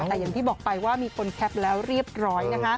แต่เหมือนที่บอกไปว่ามีคนแคปแล้วเรียบร้อย